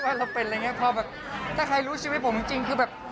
เราเป็นอะไรอย่างเงี้พอแบบถ้าใครรู้ชีวิตผมจริงคือแบบ